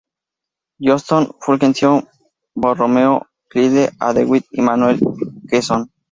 Johnston, Fulgencio Borromeo, Clyde A. Dewitt y Manuel L. Quezon.